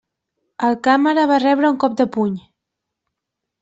El càmera va rebre un cop de puny.